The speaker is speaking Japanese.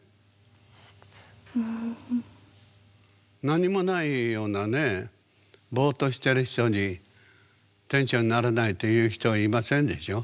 何もないようなねボーッとしてる人に「店長にならない？」って言う人はいませんでしょ？